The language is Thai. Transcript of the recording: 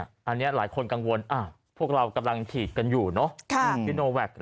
อันนี้หลายคนกังวลพวกเรากำลังฉีดกันอยู่เนอะซิโนแวค